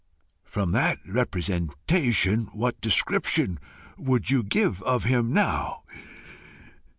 "From that representation, what description would you give of him now?